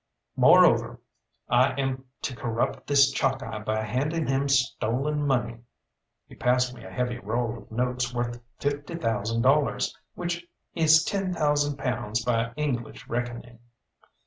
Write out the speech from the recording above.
"Moreover, I aim to corrupt this Chalkeye by handing him stolen money." He passed me a heavy roll of notes worth fifty thousand dollars, which is ten thousand pounds by English reckoning.